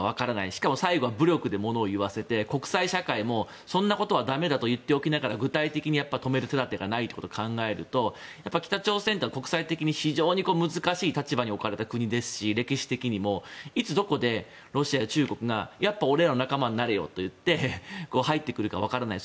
しかも最後は武力で物を言わせて国際社会もそんなことは駄目だと言っておきながら具体的に止める手立てがないということを考えると北朝鮮は国際的に非常に難しい立場に置かれた国ですし歴史的にもいつどこでロシアや中国がやっぱ俺らの仲間になれよと言って入ってくるかわからない。